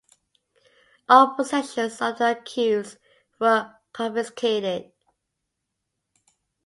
All possessions of the accused were confiscated.